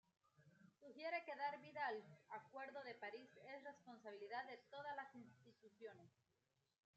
Sugiere que dar vida al acuerdo de París es responsabilidad de todas las instituciones.